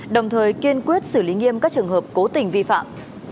đồng thời kiên quyết xử lý nghiêm các trường hợp cố tình vi phạm